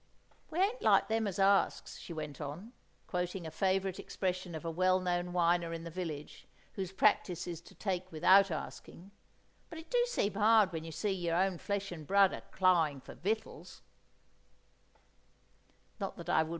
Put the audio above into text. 'We ain't like them as asks,'" she went on, quoting a favourite expression of a well known whiner in the village, whose practice is to take without asking, "'but it do seem hard when you see yer own flesh and blood a crying for vittels.